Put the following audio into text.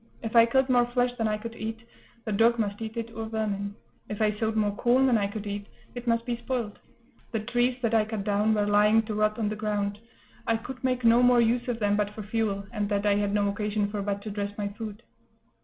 If I killed more flesh than I could eat, the dog must eat it, or vermin; if I sowed more corn than I could eat, it must be spoiled; the trees that I cut down were lying to rot on the ground; I could make no more use of them but for fuel, and that I had no occasion for but to dress my food.